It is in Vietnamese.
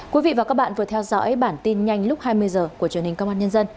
quý vị và các bạn vừa theo dõi bản tin nhanh lúc hai mươi h của truyền hình công an nhân dân